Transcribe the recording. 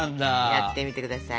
やってみてください！